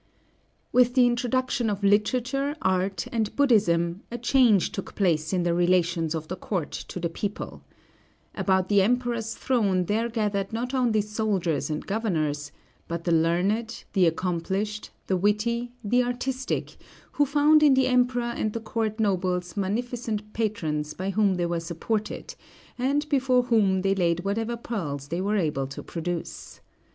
With the introduction of literature, art, and Buddhism, a change took place in the relations of the court to the people. About the Emperor's throne there gathered not only soldiers and governors, but the learned, the accomplished, the witty, the artistic, who found in the Emperor and the court nobles munificent patrons by whom they were supported, and before whom they laid whatever pearls they were able to produce.